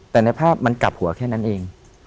แต่ในภาพมันกลับหัวแค่นั้นเอง